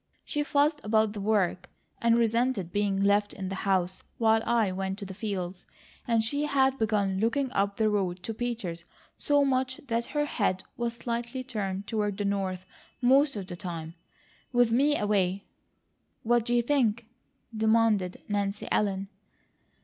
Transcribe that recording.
She fussed about the work, and resented being left in the house while I went to the fields, and she had begun looking up the road to Peters' so much that her head was slightly turned toward the north most of the time. With me away " "What do you think?" demanded Nancy Ellen.